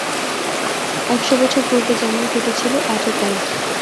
একশো বছর পূর্বে যেমন ঘটেছিল আজও তাই।